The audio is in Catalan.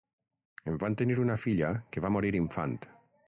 En van tenir una filla que va morir infant.